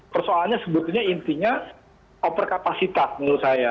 persoalannya sebetulnya intinya overcapacitas menurut saya